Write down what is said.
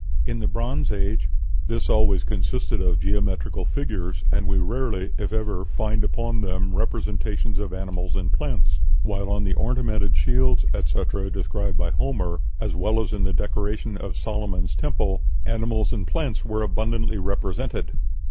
In the Bronze Age "this always consists of geometrical figures, and we rarely, if ever, find upon them representations of animals and plants, while on the ornamented shields, etc., described by Homer, as well as in the decoration of Solomon's Temple, animals and plants were abundantly represented."